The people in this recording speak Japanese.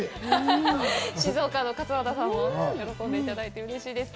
静岡の勝俣さんも喜んでいただいて、うれしいです。